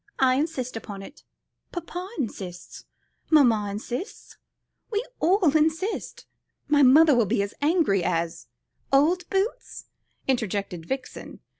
I insist upon it; papa insists; mamma insists we all insist." "My mother will be as angry as " "Old boots!" interjected Vixen.